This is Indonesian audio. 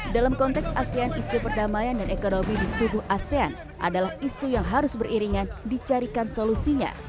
dalam konteks asean isu perdamaian dan ekonomi di tubuh asean adalah isu yang harus beriringan dicarikan solusinya